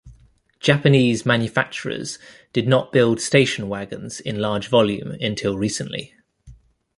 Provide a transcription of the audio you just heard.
Japanese manufacturers did not build station wagons in large volume until recently.